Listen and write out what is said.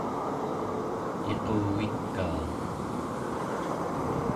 iquvikaa